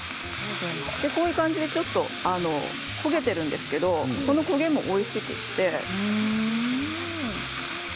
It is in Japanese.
こういう感じでちょっと焦げているんですが焦げもおいしくて。